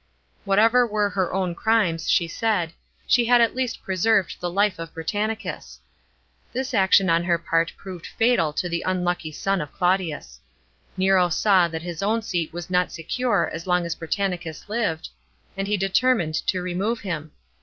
Whatever were her own crimes, she said, she had at lea t preserved the life of Britannicus. This action on her part proved fatal to the unlucky son of Claudius. Nero saw that his own seat was not secure as long as Britannicus lived, and he determined to remove him.